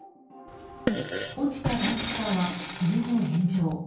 落ちたダンプカーはその後、炎上。